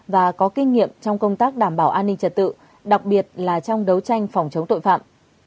và có kinh nghiệm trong công tác đảm bảo an ninh trật tự đặc biệt là trong đấu tranh phòng chống tội phạm